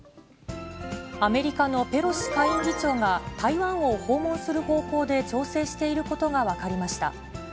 アメリカのペロシ下院議長が、台湾を訪問する方向で調整していることが分かりました。